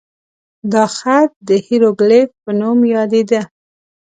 دا خط د هیروګلیف په نوم یادېده.